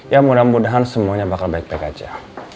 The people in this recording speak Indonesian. ya mudah mudahan semuanya bakal baik baik aja